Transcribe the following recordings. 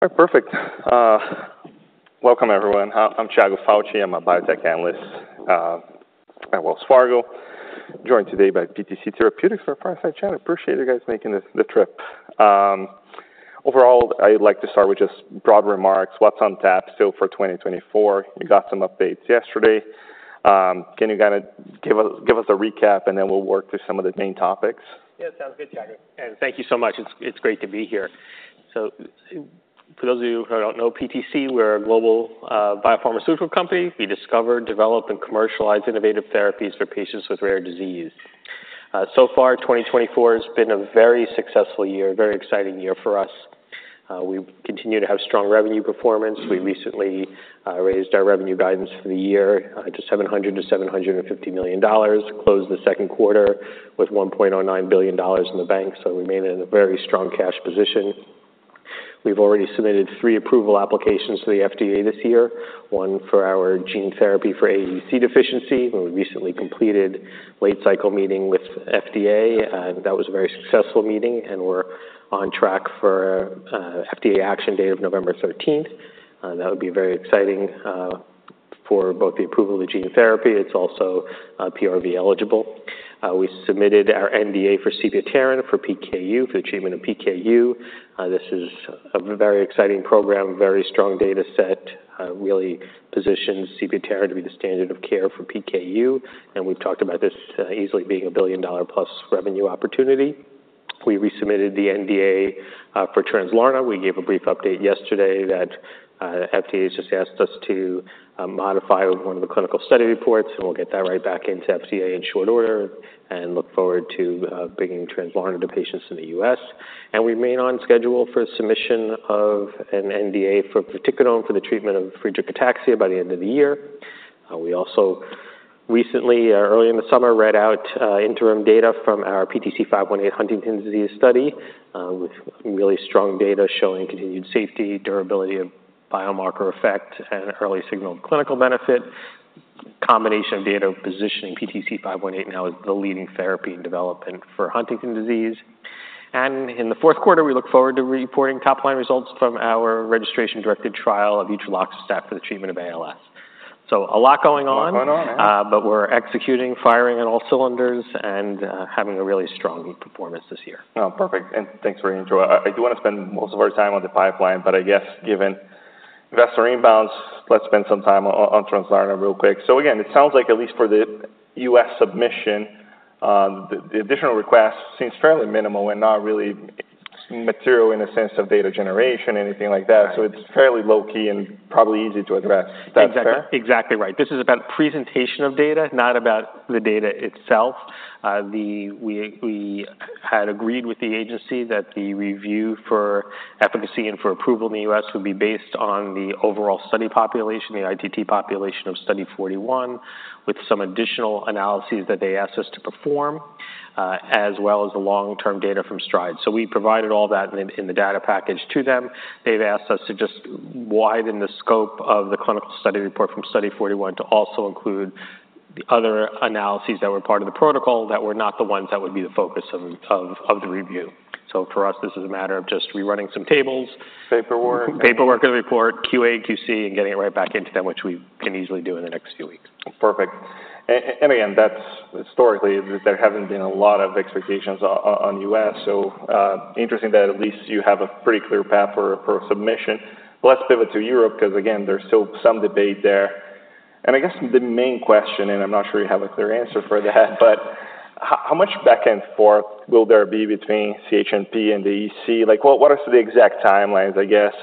All right, perfect. Welcome, everyone. I'm Tiago Fauth. I'm a biotech analyst at Wells Fargo, joined today by PTC Therapeutics for a fireside chat. I appreciate you guys making this trip. Overall, I'd like to start with just broad remarks. What's on tap still for 2024? We got some updates yesterday. Can you kinda give us, give us a recap, and then we'll work through some of the main topics? Yeah, sounds good, Tiago, and thank you so much. It's great to be here. For those of you who don't know PTC, we're a global, biopharmaceutical company. We discover, develop, and commercialize innovative therapies for patients with rare disease. So far, 2024 has been a very successful year, a very exciting year for us. We continue to have strong revenue performance. We recently raised our revenue guidance for the year to $700 million-$750 million. Closed the second quarter with $1.09 billion in the bank, so we remain in a very strong cash position. We've already submitted three approval applications to the FDA this year, one for our gene therapy for AADC deficiency, where we recently completed a late-cycle meeting with FDA, and that was a very successful meeting, and we're on track for FDA action date of November 13th. That would be very exciting for both the approval of the gene therapy. It's also PRV eligible. We submitted our NDA for sepiapterin, for PKU, for the treatment of PKU. This is a very exciting program, a very strong data set. Really positions sepiapterin to be the standard of care for PKU, and we've talked about this easily being a billion-dollar-plus revenue opportunity. We resubmitted the NDA for Translarna. We gave a brief update yesterday that FDA has just asked us to modify one of the clinical study reports, and we'll get that right back into FDA in short order and look forward to bringing Translarna to patients in the U.S. We remain on schedule for submission of an NDA for vatiquinone for the treatment of Friedreich ataxia by the end of the year. We also recently, early in the summer, read out interim data from our PTC-518 Huntington's disease study, with really strong data showing continued safety, durability of biomarker effect, and early signal of clinical benefit. Combination of data positioning PTC-518 now as the leading therapy in development for Huntington's disease. In the fourth quarter, we look forward to reporting top-line results from our registration-directed trial of utreloxastat for the treatment of ALS. A lot going on. A lot going on, yeah. We're executing, firing on all cylinders, and having a really strong performance this year. Oh, perfect, and thanks very much. I do wanna spend most of our time on the pipeline, but I guess given investor inbounds, let's spend some time on Translarna real quick. Again, it sounds like, at least for the U.S. submission, the additional request seems fairly minimal and not really material in the sense of data generation or anything like that. Right. It's fairly low-key and probably easy to address. Is that fair? Exactly, exactly right. This is about presentation of data, not about the data itself. We, we had agreed with the agency that the review for efficacy and for approval in the U.S. would be based on the overall study population, the ITT population of Study 41, with some additional analyses that they asked us to perform, as well as the long-term data from STRIDE. We provided all that in, in the data package to them. They've asked us to just widen the scope of the clinical study report from Study 41 to also include the other analyses that were part of the protocol, that were not the ones that would be the focus of the review. For us, this is a matter of just rerunning some tables. Paperwork. Paperwork and report, QA, QC, and getting it right back into them, which we can easily do in the next few weeks. Perfect. And again, that's... Historically, there haven't been a lot of expectations on US, so, interesting that at least you have a pretty clear path for submission. Let's pivot to Europe, 'cause again, there's still some debate there. I guess the main question, and I'm not sure you have a clear answer for that, but how much back and forth will there be between CHMP and the EC? Like, what are the exact timelines, I guess?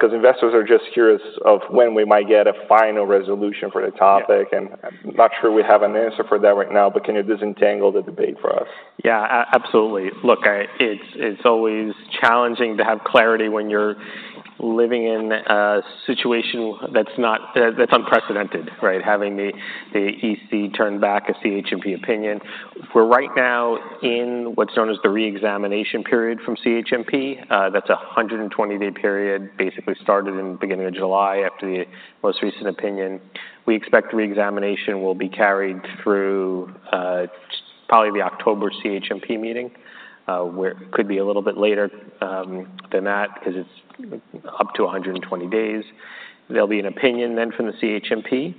'Cause investors are just curious of when we might get a final resolution for the topic. Yeah. I'm not sure we have an answer for that right now, but can you disentangle the debate for us? Yeah, absolutely. Look, it's, it's always challenging to have clarity when you're living in a situation that's not, that's unprecedented, right? Having the, the EC turn back a CHMP opinion. We're right now in what's known as the reexamination period from CHMP. That's a 120-day period, basically started in the beginning of July, after the most recent opinion. We expect reexamination will be carried through, probably the October CHMP meeting, where could be a little bit later, 'cause it's up to 120 days. There'll be an opinion then from the CHMP.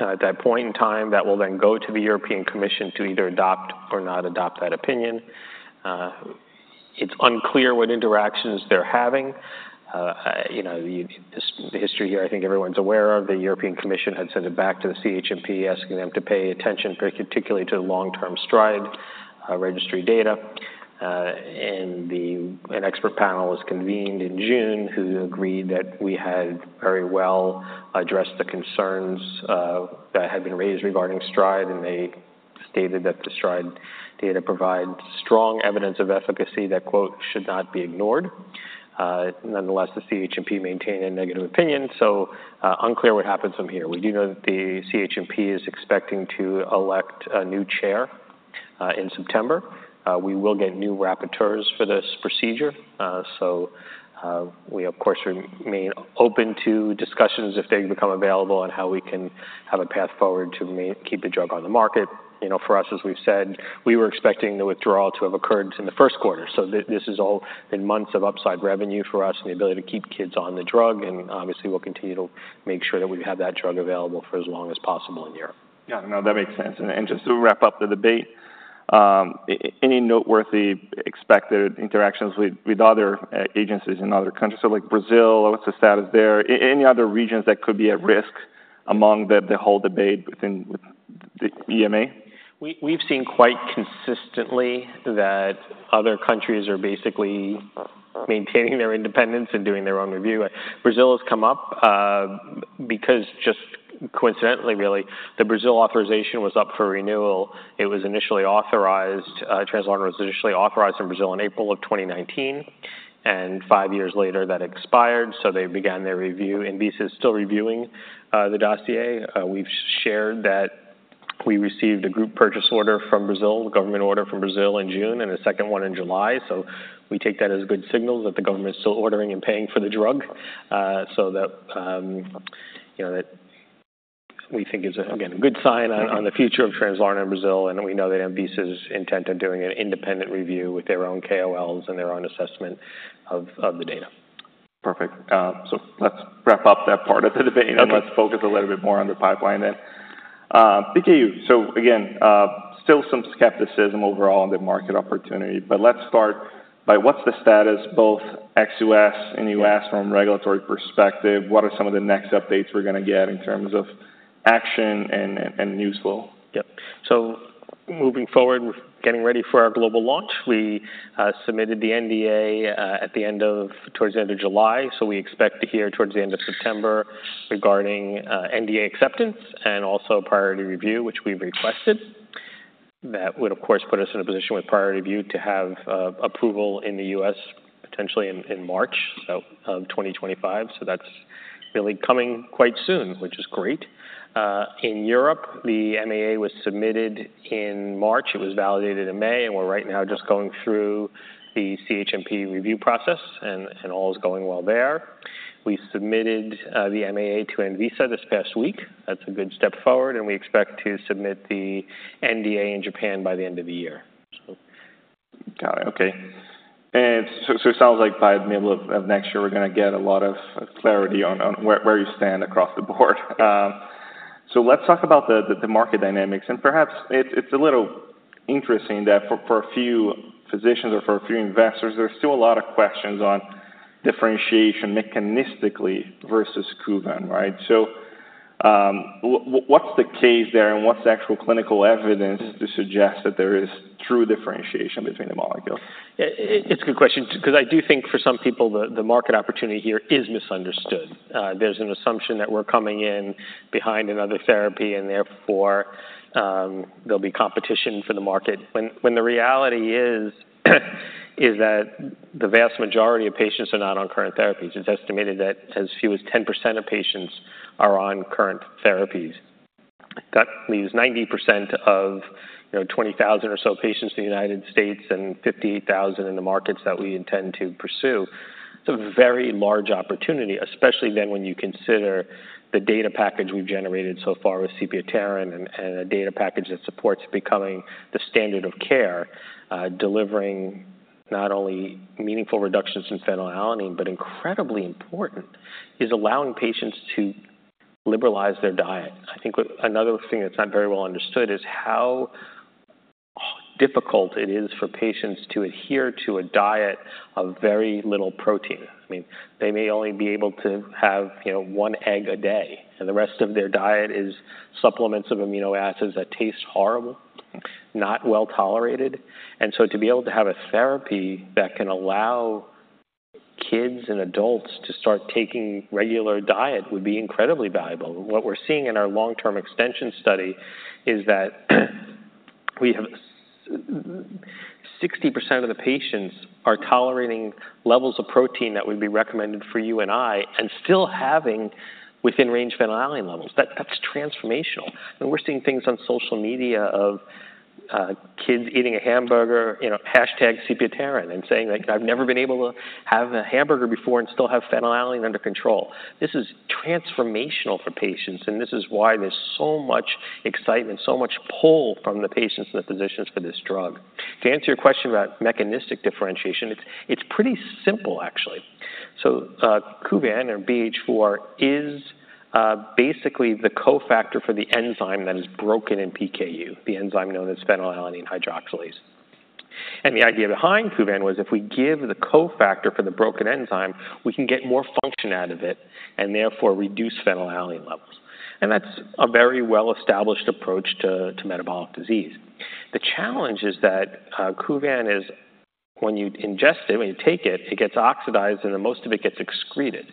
At that point in time, that will then go to the European Commission to either adopt or not adopt that opinion. It's unclear what interactions they're having. You know, the history here, I think everyone's aware of. The European Commission had sent it back to the CHMP, asking them to pay attention very particularly to the long-term STRIDE registry data. An expert panel was convened in June, who agreed that we had very well addressed the concerns that had been raised regarding STRIDE, and they stated that the STRIDE data provides strong evidence of efficacy that, quote, "should not be ignored." Nonetheless, the CHMP maintained a negative opinion, so unclear what happens from here. We do know that the CHMP is expecting to elect a new chair in September. We will get new rapporteurs for this procedure. We, of course, remain open to discussions if they become available on how we can have a path forward to keep the drug on the market. You know, for us, as we've said, we were expecting the withdrawal to have occurred in the first quarter. This is all in months of upside revenue for us and the ability to keep kids on the drug, and obviously, we'll continue to make sure that we have that drug available for as long as possible in Europe. Yeah, no, that makes sense. And just to wrap up the debate, any noteworthy expected interactions with other agencies in other countries? Like Brazil, what's the status there? Any other regions that could be at risk among the whole debate within the EMA? We've seen quite consistently that other countries are basically maintaining their independence and doing their own review. Brazil has come up, because just coincidentally, really, the Brazil authorization was up for renewal. It was initially authorized, Translarna was initially authorized in Brazil in April of 2019, and five years later, that expired, so they began their review, and this is still reviewing the dossier. We've shared that we received a group purchase order from Brazil, government order from Brazil in June and a second one in July, so we take that as good signal that the government is still ordering and paying for the drug. So that, you know, that we think is, again, a good sign on the future of Translarna in Brazil, and we know that Anvisa is intent on doing an independent review with their own KOLs and their own assessment of the data. Perfect. So let's wrap up that part of the debate and let's focus a little bit more on the pipeline then. PKU, so again, still some skepticism overall on the market opportunity, but let's start by what's the status, both ex U.S. and U.S. from a regulatory perspective, what are some of the next updates we're gonna get in terms of action and, and useful? Yep. Moving forward, we're getting ready for our global launch. We submitted the NDA at the end of July, so we expect to hear towards the end of September regarding NDA acceptance and also priority review, which we requested. That would, of course, put us in a position with priority review to have approval in the U.S., potentially in March, so 2025. That's really coming quite soon, which is great. In Europe, the MAA was submitted in March. It was validated in May, and we're right now just going through the CHMP review process, and all is going well there. We submitted the MAA to Anvisa this past week. That's a good step forward, and we expect to submit the NDA in Japan by the end of the year. Got it. Okay. It sounds like by the middle of next year, we're gonna get a lot of clarity on where you stand across the board. Let's talk about the market dynamics, and perhaps it's a little interesting that for a few physicians or for a few investors, there's still a lot of questions on differentiation mechanistically versus Kuvan, right? What's the case there, and what's the actual clinical evidence to suggest that there is true differentiation between the molecules? It's a good question because I do think for some people, the market opportunity here is misunderstood. There's an assumption that we're coming in behind another therapy, and therefore, there'll be competition for the market, when the reality is that the vast majority of patients are not on current therapies. It's estimated that as few as 10% of patients are on current therapies. That leaves 90% of, you know, 20,000 or so patients in the United States and 58,000 in the markets that we intend to pursue. It's a very large opportunity, especially when you consider the data package we've generated so far with sepiapterin and a data package that supports becoming the standard of care, delivering not only meaningful reductions in phenylalanine, but incredibly important, is allowing patients to liberalize their diet. I think what... Another thing that's not very well understood is how difficult it is for patients to adhere to a diet of very little protein. I mean, they may only be able to have, you know, one egg a day, and the rest of their diet is supplements of amino acids that taste horrible, not well-tolerated. To be able to have a therapy that can allow kids and adults to start taking regular diet would be incredibly valuable. What we're seeing in our long-term extension study is that we have 60% of the patients are tolerating levels of protein that would be recommended for you and I, and still having within-range phenylalanine levels. That, that's transformational. We're seeing things on social media of, you know, kids eating a hamburger, you know, hashtag sepiapterin, and saying, like, "I've never been able to have a hamburger before and still have phenylalanine under control." This is transformational for patients, and this is why there's so much excitement, so much pull from the patients and the physicians for this drug. To answer your question about mechanistic differentiation, it's pretty simple, actually. Kuvan or BH4 is basically the cofactor for the enzyme that is broken in PKU, the enzyme known as phenylalanine hydroxylase. The idea behind Kuvan was if we give the cofactor for the broken enzyme, we can get more function out of it and therefore reduce phenylalanine levels. That's a very well-established approach to metabolic disease. The challenge is that, Kuvan is when you ingest it, when you take it, it gets oxidized, and then most of it gets excreted.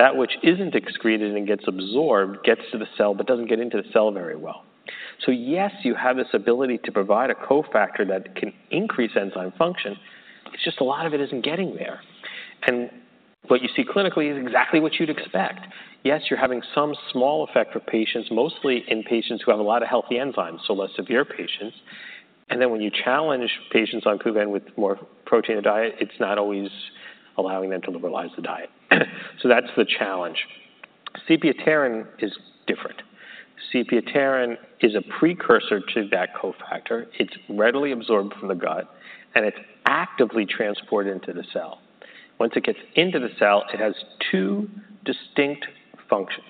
That which isn't excreted and gets absorbed, gets to the cell, but doesn't get into the cell very well. Yes, you have this ability to provide a cofactor that can increase enzyme function. It's just a lot of it isn't getting there. What you see clinically is exactly what you'd expect. Yes, you're having some small effect for patients, mostly in patients who have a lot of healthy enzymes, so less severe patients. When you challenge patients on Kuvan with more protein in a diet, it's not always allowing them to liberalize the diet. That's the challenge. Sepiapterin is different. sepiapterin is a precursor to that cofactor. It's readily absorbed from the gut, and it's actively transported into the cell. Once it gets into the cell, it has two distinct functions.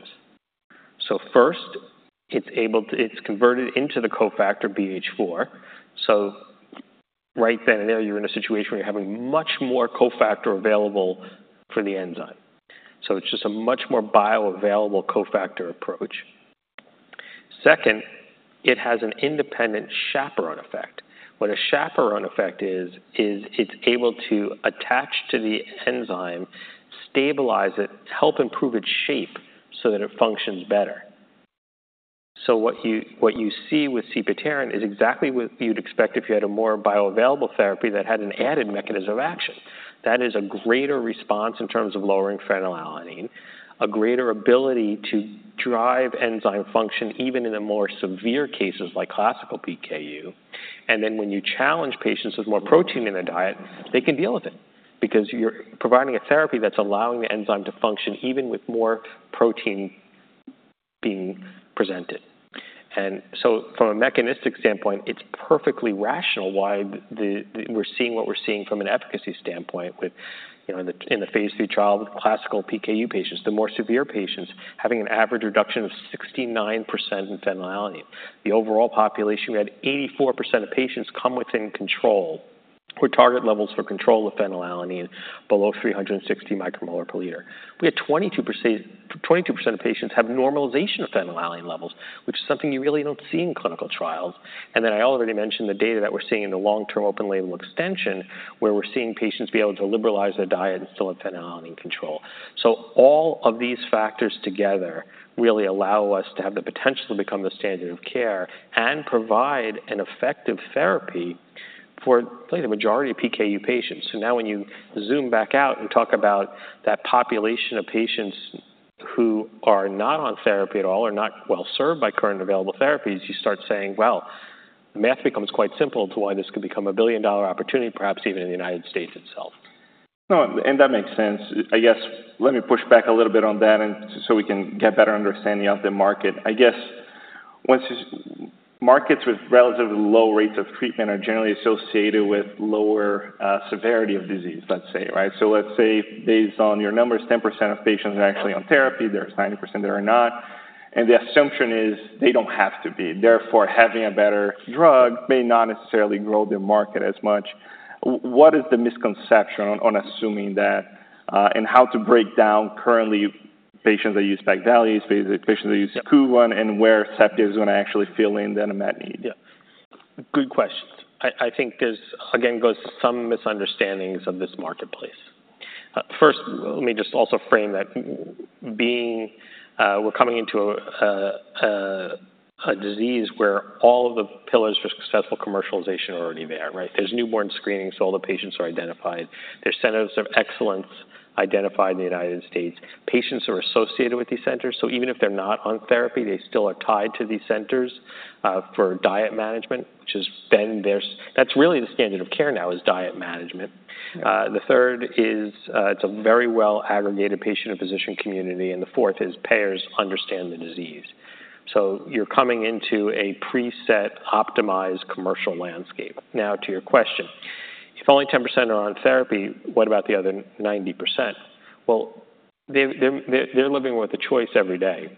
First, it's able to—it's converted into the cofactor BH4. Right then and there, you're in a situation where you're having much more cofactor available for the enzyme. It's just a much more bioavailable cofactor approach. Second, it has an independent chaperone effect. What a chaperone effect is, is it's able to attach to the enzyme, stabilize it, help improve its shape so that it functions better. What you see with sepiapterin is exactly what you'd expect if you had a more bioavailable therapy that had an added mechanism of action. That is a greater response in terms of lowering phenylalanine, a greater ability to drive enzyme function, even in the more severe cases like classical PKU. When you challenge patients with more protein in their diet, they can deal with it because you're providing a therapy that's allowing the enzyme to function even with more protein being presented. From a mechanistic standpoint, it's perfectly rational why we're seeing what we're seeing from an efficacy standpoint with, you know, in the phase III trial with classical PKU patients, the more severe patients having an average reduction of 69% in phenylalanine. The overall population, we had 84% of patients come within control, with target levels for control of phenylalanine below 360 micromolar per liter. We had 22% of patients have normalization of phenylalanine levels, which is something you really don't see in clinical trials. I already mentioned the data that we're seeing in the long-term, open-label extension, where we're seeing patients be able to liberalize their diet and still have phenylalanine in control. All of these factors together really allow us to have the potential to become the standard of care and provide an effective therapy for the majority of PKU patients. Now when you zoom back out and talk about that population of patients who are not on therapy at all or are not well-served by current available therapies, you start saying, well, math becomes quite simple to why this could become a billion-dollar opportunity, perhaps even in the United States itself. No, that makes sense. I guess, let me push back a little bit on that, so we can get a better understanding of the market. I guess, once markets with relatively low rates of treatment are generally associated with lower severity of disease, let's say, right? Let's say, based on your numbers, 10% of patients are actually on therapy, there's 90% that are not, and the assumption is they don't have to be. Therefore, having a better drug may not necessarily grow the market as much. What is the misconception on assuming that, and how to break down currently patients that use Palynziq, patients that use Kuvan, and where sepiapterin is going to actually fill in that need? Yeah. Good question. I think this, again, goes to some misunderstandings of this marketplace. First, let me just also frame that being, we're coming into a disease where all the pillars for successful commercialization are already there, right? There's newborn screening, so all the patients are identified. There's centers of excellence identified in the United States. Patients are associated with these centers, so even if they're not on therapy, they still are tied to these centers for diet management, which has been their—that's really the standard of care now is diet management. The third is, it's a very well-aggregated patient and physician community, and the fourth is payers understand the disease. You're coming into a preset, optimized commercial landscape. Now, to your question, if only 10% are on therapy, what about the other 90%? They're living with a choice every day.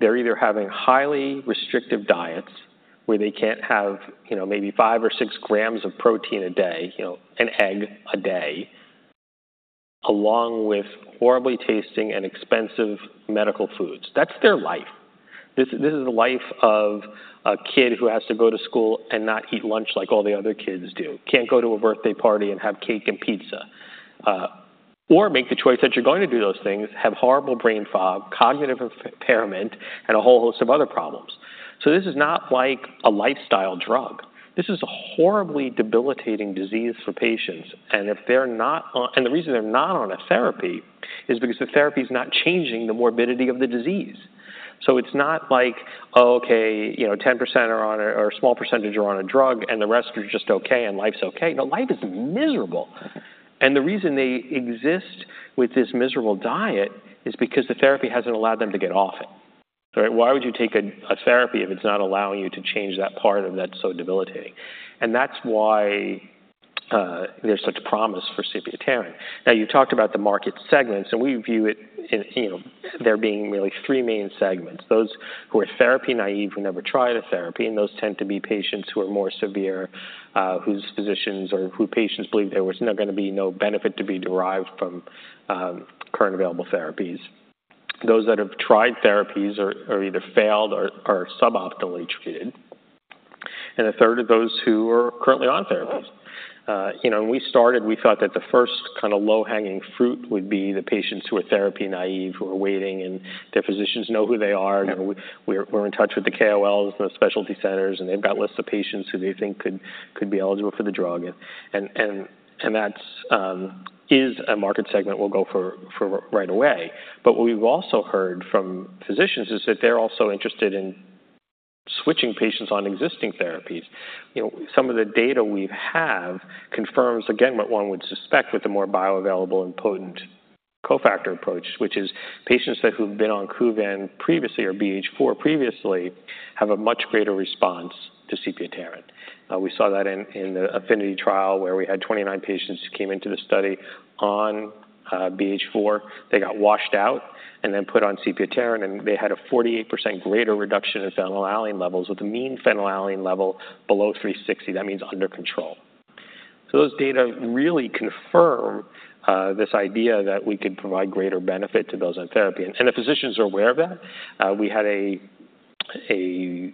They're either having highly restrictive diets where they can't have, you know, maybe five or six grams of protein a day, you know, an egg a day, along with horribly tasting and expensive medical foods. That's their life. This is the life of a kid who has to go to school and not eat lunch like all the other kids do. Can't go to a birthday party and have cake and pizza, or make the choice that you're going to do those things, have horrible brain fog, cognitive impairment, and a whole host of other problems. This is not like a lifestyle drug. This is a horribly debilitating disease for patients, and if they're not on... And the reason they're not on a therapy is because the therapy is not changing the morbidity of the disease. It's not like, okay, you know, 10% are on a, or a small percentage are on a drug, and the rest are just okay, and life's okay. No, life is miserable, and the reason they exist with this miserable diet is because the therapy hasn't allowed them to get off it. All right? Why would you take a therapy if it's not allowing you to change that part of that's so debilitating? That's why there's such promise for sepiapterin. Now, you talked about the market segments, and we view it in, you know, there being really three main segments. Those who are therapy naive, who never tried a therapy, and those tend to be patients who are more severe, whose physicians or who patients believe there was not gonna be no benefit to be derived from current available therapies. Those that have tried therapies are either failed or suboptimally treated... and a third of those who are currently on therapies. You know, when we started, we thought that the first kind of low-hanging fruit would be the patients who are therapy naive, who are waiting, and their physicians know who they are. We're in touch with the KOLs and the specialty centers, and they've got lists of patients who they think could be eligible for the drug. That's a market segment we'll go for right away. What we've also heard from physicians is that they're also interested in switching patients on existing therapies. You know, some of the data we have confirms, again, what one would suspect with a more bioavailable and potent cofactor approach, which is patients that who've been on Kuvan previously or BH4 previously, have a much greater response to sepiapterin. We saw that in, in the AFFINITY trial, where we had 29 patients who came into the study on BH4. They got washed out and then put on sepiapterin, and they had a 48% greater reduction in phenylalanine levels, with a mean phenylalanine level below 360. That means under control. So those data really confirm, this idea that we could provide greater benefit to those on therapy, and the physicians are aware of that. We had a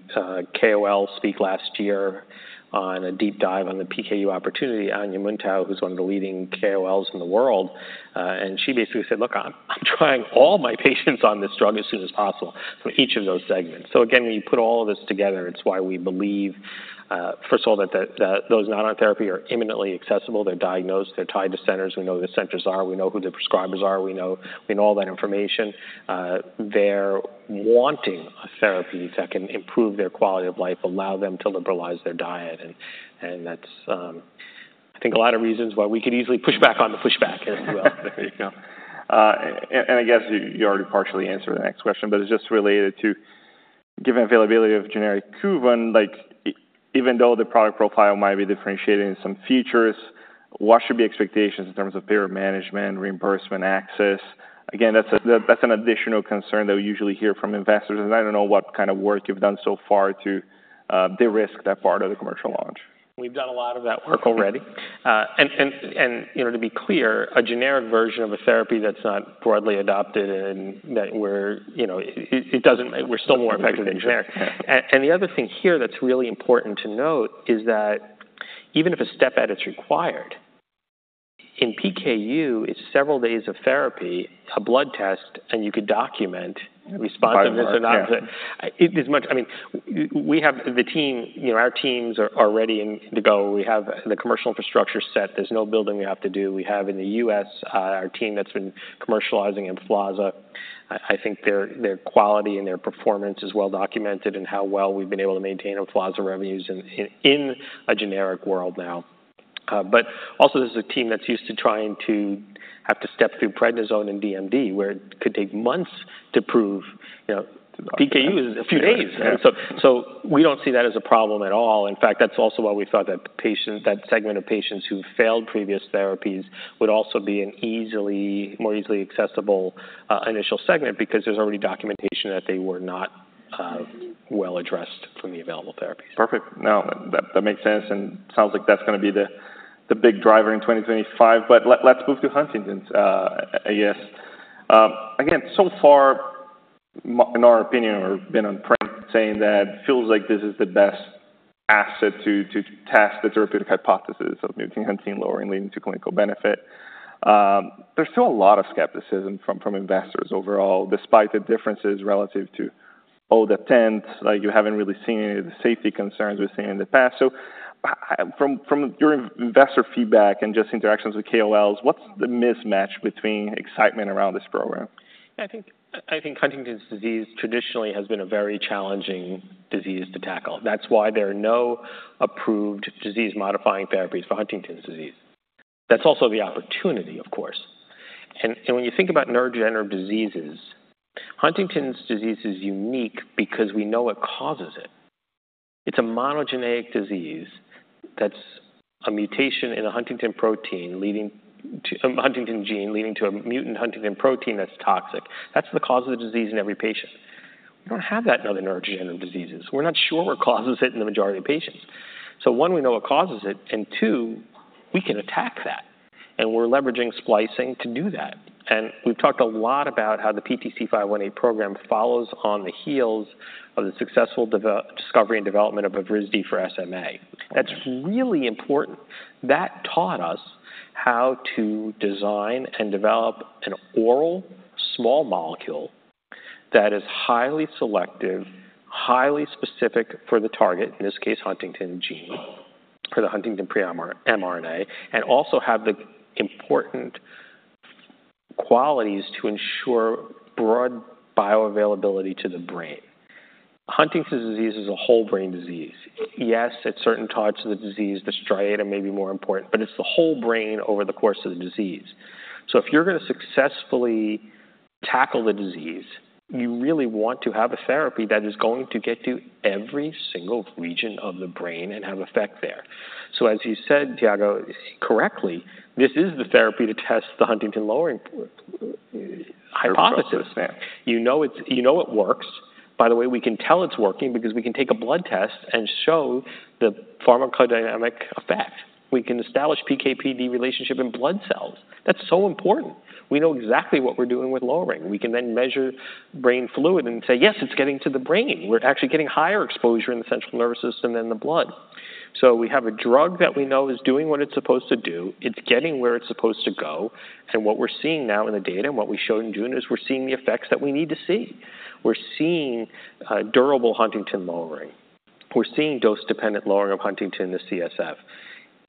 KOL speak last year on a deep dive on the PKU opportunity, Anja Muntau, who's one of the leading KOLs in the world, and she basically said, "Look, I'm trying all my patients on this drug as soon as possible from each of those segments." Again, when you put all of this together, it's why we believe, first of all, that those not on therapy are imminently accessible. They're diagnosed, they're tied to centers. We know who the centers are. We know who the prescribers are. We know... We know all that information. They're wanting a therapy that can improve their quality of life, allow them to liberalize their diet, and that's, I think, a lot of reasons why we could easily push back on the pushback as well. There you go. And I guess you already partially answered the next question, but it's just related to, given availability of generic Kuvan, like, even though the product profile might be differentiated in some features, what should be expectations in terms of payer management, reimbursement, access? Again, that's an additional concern that we usually hear from investors, and I don't know what kind of work you've done so far to de-risk that part of the commercial launch. We've done a lot of that work already, and, you know, to be clear, a generic version of a therapy that's not broadly adopted and that we're, you know, it doesn't—we're still more effective than generic. The other thing here that's really important to note is that even if a step at is required, in PKU, it's several days of therapy, a blood test, and you could document responsiveness or not. Yeah. It is much... I mean, we have the team, you know, our teams are, are ready and to go. We have the commercial infrastructure set. There's no building we have to do. We have in the U.S., you know, our team that's been commercializing Emflaza. I think their, their quality and their performance is well documented in how well we've been able to maintain Emflaza revenues in, in, in a generic world now. Also, this is a team that's used to trying to have to step through prednisone and DMD, where it could take months to prove, you know, PKU is a few days. Yeah. We don't see that as a problem at all. In fact, that's also why we thought that patients, that segment of patients who failed previous therapies would also be a more easily accessible initial segment because there's already documentation that they were not well addressed from the available therapies. Perfect. No, that makes sense and sounds like that's gonna be the big driver in 2025. Let’s move to Huntington's, AS. Again, so far, in our opinion or been on print, saying that feels like this is the best asset to test the therapeutic hypothesis of mutant huntingtin lowering, leading to clinical benefit. There's still a lot of skepticism from investors overall, despite the differences relative to all the tents, like, you haven't really seen any of the safety concerns we've seen in the past. From your investor feedback and just interactions with KOLs, what's the mismatch between excitement around this program? Yeah, I think Huntington's disease traditionally has been a very challenging disease to tackle. That's why there are no approved disease-modifying therapies for Huntington's disease. That's also the opportunity, of course. When you think about neurodegenerative diseases, Huntington's disease is unique because we know what causes it. It's a monogenic disease that's a mutation in a huntingtin protein, leading to a huntingtin gene, leading to a mutant huntingtin protein that's toxic. That's the cause of the disease in every patient. We don't have that in other neurodegenerative diseases. We're not sure what causes it in the majority of patients. One, we know what causes it, and two, we can attack that, and we're leveraging splicing to do that. We've talked a lot about how the PTC518 program follows on the heels of the successful discovery and development of risdiplam for SMA. Okay. That's really important. That taught us how to design and develop an oral small molecule that is highly selective, highly specific for the target, in this case, huntingtin gene or the huntingtin pre-mRNA, and also have the important qualities to ensure broad bioavailability to the brain. Huntington's disease is a whole brain disease. Yes, at certain times of the disease, the striatum may be more important, but it's the whole brain over the course of the disease. If you're gonna successfully tackle the disease, you really want to have a therapy that is going to get to every single region of the brain and have effect there. As you said, Tiago, correctly, this is the therapy to test the huntingtin lowering hypothesis. Yeah. You know it, you know it works. By the way, we can tell it's working because we can take a blood test and show the pharmacodynamic effect. We can establish PK/PD relationship in blood cells. That's so important. We know exactly what we're doing with lowering. We can then measure brain fluid and say, "Yes, it's getting to the brain." We're actually getting higher exposure in the central nervous system than the blood. We have a drug that we know is doing what it's supposed to do. It's getting where it's supposed to go, and what we're seeing now in the data and what we showed in June is we're seeing the effects that we need to see. We're seeing durable Huntington lowering. We're seeing dose-dependent lowering of Huntington, the CSF.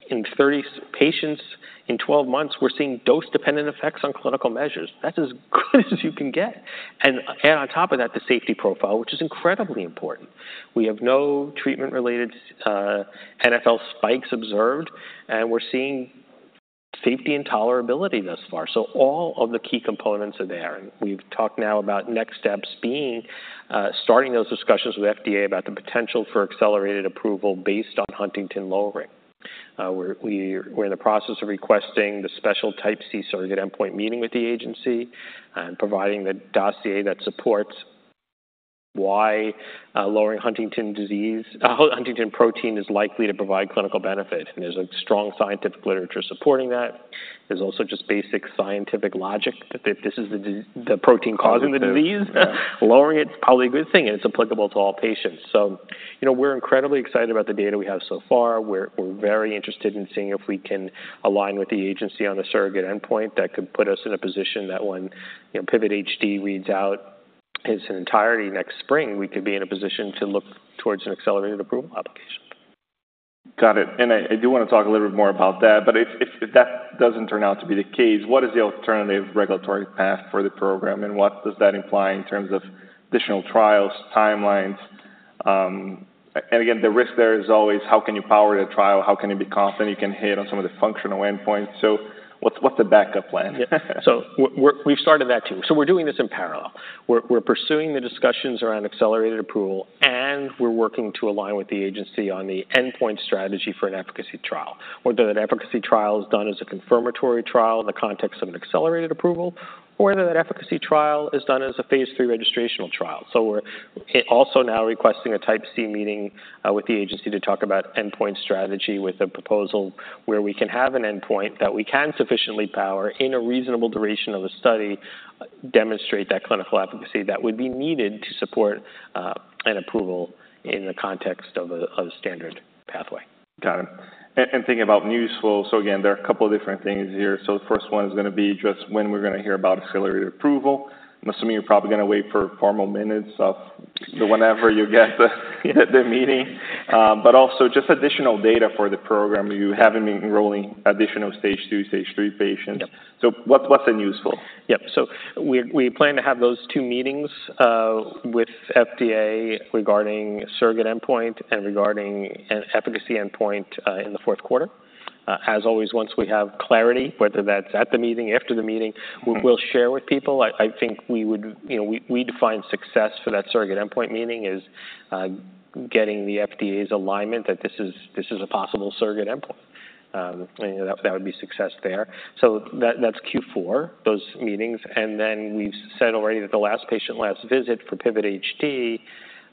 In thirty patients in twelve months, we're seeing dose-dependent effects on clinical measures. That's as good as you can get. And on top of that, the safety profile, which is incredibly important. We have no treatment-related NfL spikes observed, and we're seeing safety and tolerability thus far. All of the key components are there, and we've talked now about next steps being starting those discussions with FDA about the potential for accelerated approval based on Huntington lowering. We're in the process of requesting the special type C surrogate endpoint meeting with the agency and providing the dossier that supports why lowering Huntington disease, Huntington protein is likely to provide clinical benefit. There's a strong scientific literature supporting that. There's also just basic scientific logic, that this is the protein causing the disease. Lowering it is probably a good thing, and it's applicable to all patients. You know, we're incredibly excited about the data we have so far. We're very interested in seeing if we can align with the agency on a surrogate endpoint that could put us in a position that when, you know, PIVOT-HD reads out its entirety next spring, we could be in a position to look towards an accelerated approval application. Got it. I do wanna talk a little bit more about that, but if that doesn't turn out to be the case, what is the alternative regulatory path for the program, and what does that imply in terms of additional trials, timelines? And again, the risk there is always how can you power the trial? How can you be confident you can hit on some of the functional endpoints? What's the backup plan? Yeah. We've started that too. We're doing this in parallel. We're pursuing the discussions around accelerated approval, and we're working to align with the agency on the endpoint strategy for an efficacy trial. Whether that efficacy trial is done as a confirmatory trial in the context of an accelerated approval, or whether that efficacy trial is done as a phase three registrational trial. We're also now requesting a Type C meeting with the agency to talk about endpoint strategy with a proposal where we can have an endpoint that we can sufficiently power in a reasonable duration of the study, demonstrate that clinical efficacy that would be needed to support an approval in the context of a standard pathway. Got it. And thinking about news flow, there are a couple of different things here. The first one is gonna be just when we're gonna hear about accelerated approval. I'm assuming you're probably gonna wait for formal minutes of whenever you get the meeting. Also, just additional data for the program. You haven't been enrolling additional stage two, stage three patients. Yep. What, what's the news flow? Yep. We plan to have those two meetings with FDA regarding surrogate endpoint and regarding an efficacy endpoint in the fourth quarter. As always, once we have clarity, whether that's at the meeting or after the meeting— Mm-hmm. We'll share with people. I think we would... You know, we define success for that surrogate endpoint meeting as getting the FDA's alignment, that this is a possible surrogate endpoint. And that would be success there. That is Q4, those meetings. We have said already that the last patient, last visit for PIVOT-HD,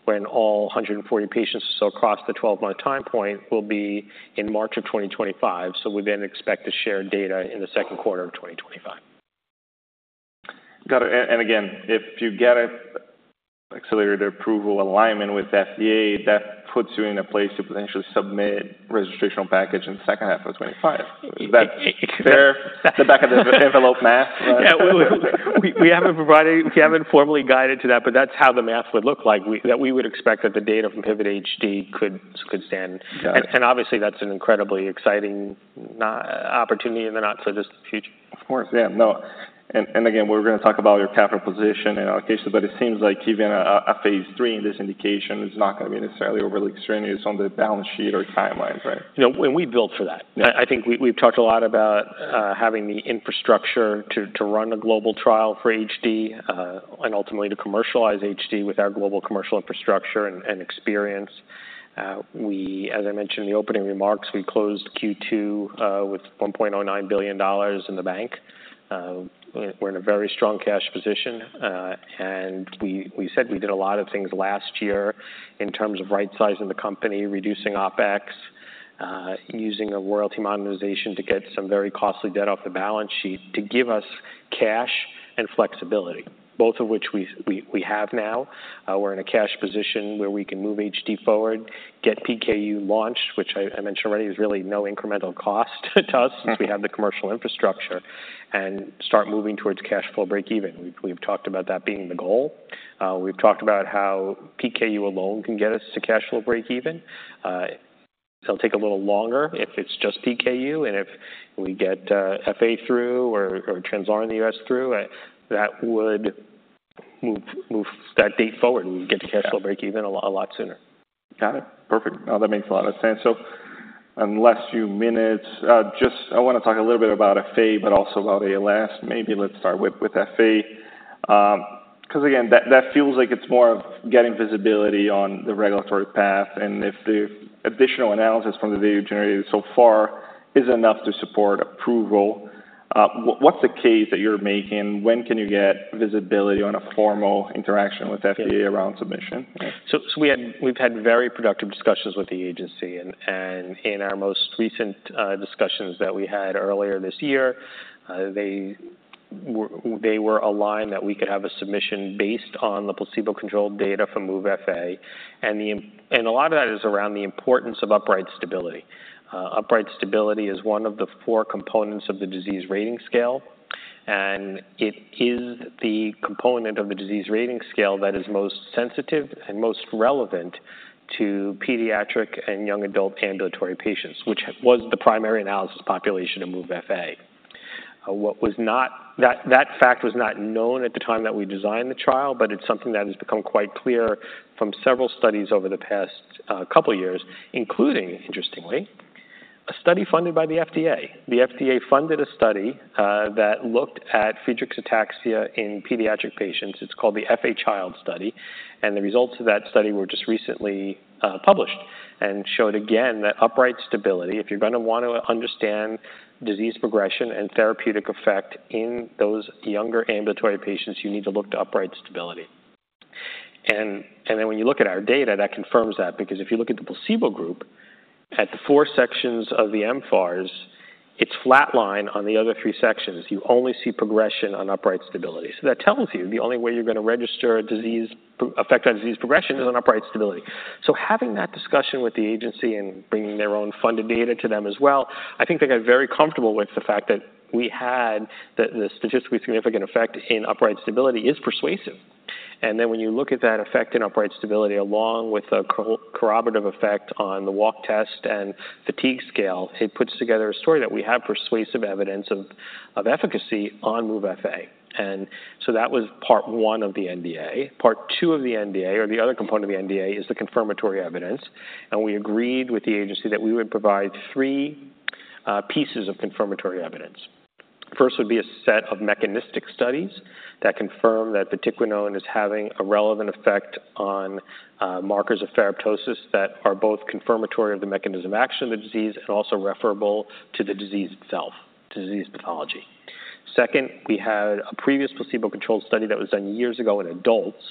when all 140 patients are across the 12 month time point, will be in March of 2025. We then expect to share data in the second quarter of 2025. Got it. Again, if you get an accelerated approval alignment with FDA, that puts you in a place to potentially submit registrational package in the second half of 2025. That's there, the back of the envelope math. Yeah, we haven't provided, we haven't formally guided to that, but that's how the math would look like. We would expect that the data from PIVOT-HD could stand. Got it. Obviously, that's an incredibly exciting opportunity in the not so distant future. Of course. Yeah, no, and again, we're gonna talk about your capital position and allocation, but it seems like even a phase three in this indication is not gonna be necessarily overly strenuous on the balance sheet or timelines, right? You know, and we built for that. Yeah. I think we, we've talked a lot about having the infrastructure to run a global trial for HD, and ultimately to commercialize HD with our global commercial infrastructure and experience. As I mentioned in the opening remarks, we closed Q2 with $1.09 billion in the bank. We're in a very strong cash position, and we said we did a lot of things last year in terms of right-sizing the company, reducing OpEx, using a royalty monetization to get some very costly debt off the balance sheet to give us cash and flexibility, both of which we have now. We're in a cash position where we can move HD forward, get PKU launched, which I mentioned already, is really no incremental cost to us- Mm-hmm... since we have the commercial infrastructure, and start moving towards cash flow break even. We've talked about that being the goal. We've talked about how PKU alone can get us to cash flow break even. It'll take a little longer if it's just PKU, and if we get FA through or Translarna in the US through, that would move that date forward and get to- Yeah - cash flow break even a lot sooner. Got it. Perfect. Now, that makes a lot of sense. Unless you minute, just I wanna talk a little bit about FA, but also about ALS. Maybe let's start with FA, 'cause again, that feels like it's more of getting visibility on the regulatory path, and if the additional analysis from the data generated so far is enough to support approval, what, what's the case that you're making? When can you get visibility on a formal interaction with FDA around submission? We had very productive discussions with the agency and in our most recent discussions that we had earlier this year, they were aligned that we could have a submission based on the placebo-controlled data from MOVE FA. A lot of that is around the importance of upright stability. Upright stability is one of the four components of the disease rating scale, and it is the component of the disease rating scale that is most sensitive and most relevant to pediatric and young adult ambulatory patients, which was the primary analysis population of MOVE FA. What was not—that fact was not known at the time that we designed the trial, but it's something that has become quite clear from several studies over the past couple of years, including, interestingly, a study funded by the FDA. The FDA funded a study that looked at Friedreich's ataxia in pediatric patients. It's called the FA Child Study, and the results of that study were just recently published and showed again that upright stability, if you're gonna want to understand disease progression and therapeutic effect in those younger ambulatory patients, you need to look to upright stability. Then when you look at our data, that confirms that, because if you look at the placebo group, at the four sections of the mFARS, it's flatline on the other three sections. You only see progression on upright stability. That tells you the only way you're gonna register a disease, effect on disease progression is on upright stability. Having that discussion with the agency and bringing their own funded data to them as well, I think they got very comfortable with the fact that we had the statistically significant effect in upright stability is persuasive. When you look at that effect in upright stability, along with a corroborative effect on the walk test and fatigue scale, it puts together a story that we have persuasive evidence of efficacy on MOVE FA. That was part one of the NDA. Part two of the NDA, or the other component of the NDA, is the confirmatory evidence, and we agreed with the agency that we would provide three pieces of confirmatory evidence. First would be a set of mechanistic studies that confirm that vatiquinone is having a relevant effect on, markers of ferroptosis that are both confirmatory of the mechanism action of the disease and also referable to the disease itself, to disease pathology. Second, we had a previous placebo-controlled study that was done years ago in adults,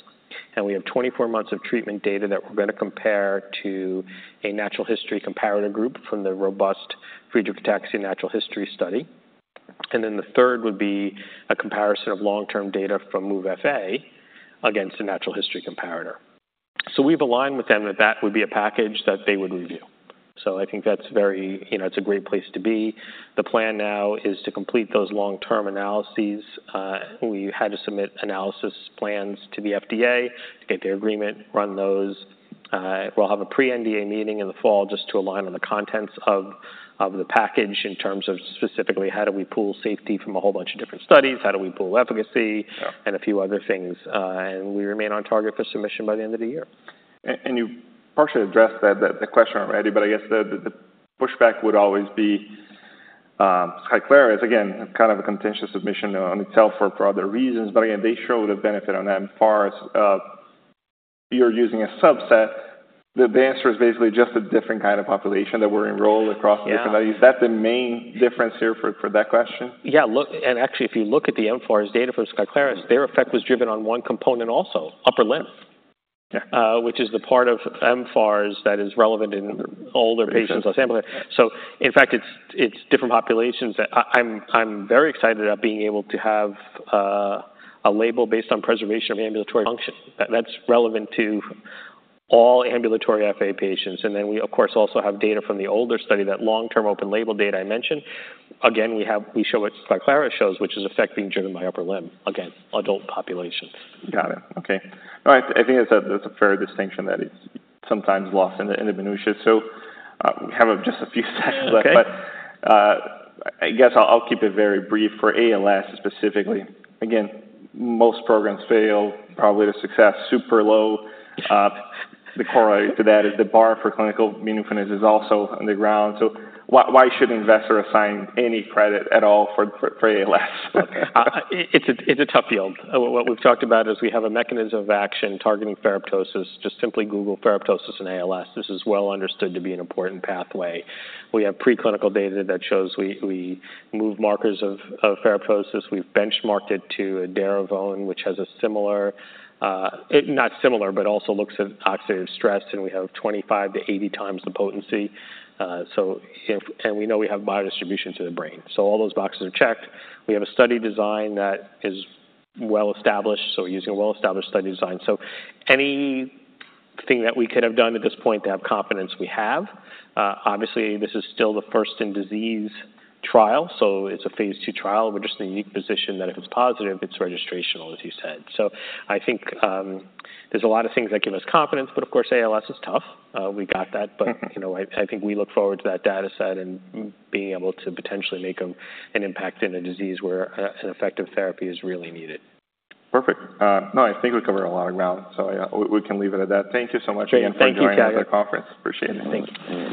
and we have 24 months of treatment data that we're gonna compare to a natural history comparator group from the robust Friedreich ataxia natural history study. The third would be a comparison of long-term data from MOVE FA against a natural history comparator. We have aligned with them that that would be a package that they would review. I think that's very, you know, it's a great place to be. The plan now is to complete those long-term analyses. We had to submit analysis plans to the FDA to get their agreement, run those. We'll have a pre-NDA meeting in the fall just to align on the contents of the package in terms of specifically how do we pool safety from a whole bunch of different studies, how do we pool efficacy. Yeah. -and a few other things, and we remain on target for submission by the end of the year. And you partially addressed that, the question already, but I guess the pushback would always be, Skyclarys is, again, kind of a contentious submission on itself for other reasons, but again, they showed a benefit on that as far as you're using a subset. The answer is basically just a different kind of population that were enrolled across different values. Yeah. Is that the main difference here for that question? Yeah, look... Actually, if you look at the mFARS data from Skyclarys, their effect was driven on one component also, upper limb. Yeah. Which is the part of mFARS that is relevant in older patients assembly. Makes sense. In fact, it's different populations. I'm very excited about being able to have a label based on preservation of ambulatory function. That's relevant to all ambulatory FA patients. We, of course, also have data from the older study, that long-term open label data I mentioned. Again, we show what Skyclarys shows, which is effect being driven by upper limb. Again, adult populations. Got it. Okay. All right. I think that's a fair distinction that is sometimes lost in the minutiae. We have just a few seconds left. Okay. I guess I'll keep it very brief for ALS specifically. Again, most programs fail, probably the success, super low. The corollary to that is the bar for clinical meaningfulness is also on the ground. So why, why should an investor assign any credit at all for ALS? It's a, it's a tough field. What we've talked about is we have a mechanism of action targeting ferroptosis, just simply Google ferroptosis and ALS. This is well understood to be an important pathway. We have preclinical data that shows we, we move markers of, of ferroptosis. We've benchmarked it to edaravone, which has a similar, it not similar, but also looks at oxidative stress, and we have 25x-80x the potency. And we know we have biodistribution to the brain. All those boxes are checked. We have a study design that is well-established, so we're using a well-established study design. Anything that we could have done at this point to have confidence, we have. Obviously, this is still the first in disease trial, so it's a phase two trial. We're just in a unique position that if it's positive, it's registrational, as you said. I think there's a lot of things that give us confidence, but of course, ALS is tough. We got that. But, you know, I think we look forward to that data set and being able to potentially make an impact in a disease where an effective therapy is really needed. Perfect. No, I think we covered a lot of ground, so yeah, we can leave it at that. Thank you so much again for joining us at conference. Thank you. Appreciate it. Thank you.